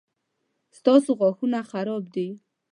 ستاسو غاښونه خراب دي